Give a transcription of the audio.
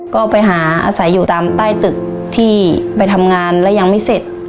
ก็ไปหาอาศัยอยู่ตามใต้ตึกที่ไปทำงานแล้วยังไม่เสร็จ